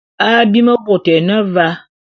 Abim bôt é ne va.